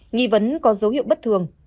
nghĩ vẫn có dấu hiệu bất thường